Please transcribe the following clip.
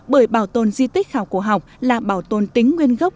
bởi bảo tồn di tích khảo cổ học là bảo tồn tính nguyên gốc